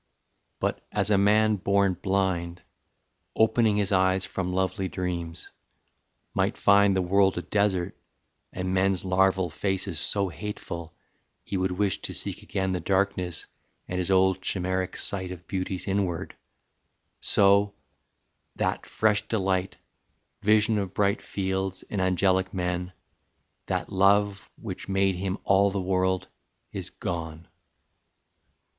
But as a man born blind, Opening his eyes from lovely dreams, might find The world a desert and men's larval faces So hateful, he would wish to seek again The darkness and his old chimeric sight Of beauties inward so, that fresh delight, Vision of bright fields and angelic men, That love which made him all the world, is gone.